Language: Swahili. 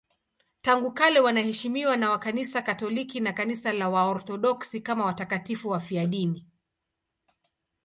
Tangu kale wanaheshimiwa na Kanisa Katoliki na Kanisa la Kiorthodoksi kama watakatifu wafiadini.